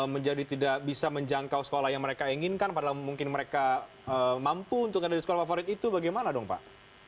menjadi tidak bisa menjangkau sekolah yang mereka inginkan padahal mungkin mereka mampu untuk ada di sekolah favorit itu bagaimana dong pak